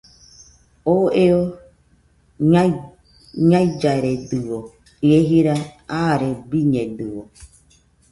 Oo eo ñaɨllaredɨio, ie jira aare biñedɨio